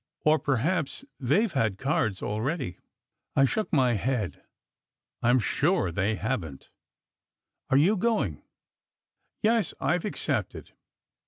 Or perhaps they ve had cards already?" I shook my head. " I m sure they haven t. Are you go ing?" "Yes, I ve accepted."